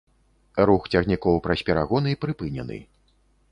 Рух цягнікоў праз перагоны прыпынены.